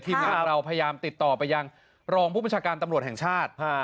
ทีมงานเราพยายามติดต่อไปยังรองผู้ประชาการตำรวจแห่งชาติ